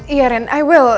iya ren i will